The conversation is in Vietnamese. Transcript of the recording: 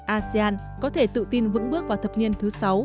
asean có thể tự tin vững bước vào thập niên thứ sáu